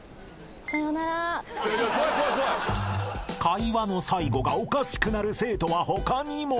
［会話の最後がおかしくなる生徒は他にも］